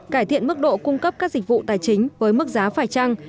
cải thiện mức độ cung cấp các dịch vụ tài chính với mức giá phải trăng